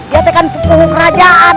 ya tekan pukuhu kerajaan